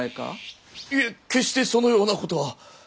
いえ決してそのようなことは！